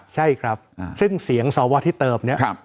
ใช่ครับอ่าซึ่งเสียงสอวอที่เติมเนี้ยครับ